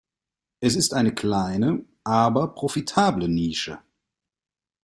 Es ist eine kleine aber profitable Nische.